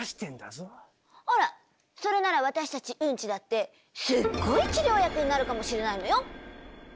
あらそれなら私たちウンチだってスゴい治療薬になるかもしれないのよ。